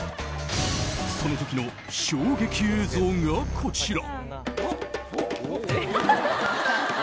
その時の衝撃映像がこちら。